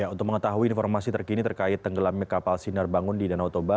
untuk mengetahui informasi terkini terkait tenggelamnya kapal sinar bangun di danau toba